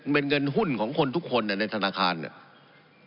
เป็นเงินหุ้นของคนทุกคนในธนาคารเนี่ย